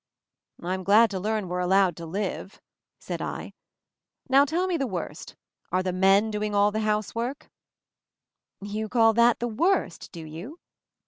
"Fm glad to learn we're allowed to live!" said I. "Now tell me the worst — are the men all doing the housework?" "You call that 'the worst,' do you?"